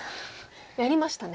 やりましたね。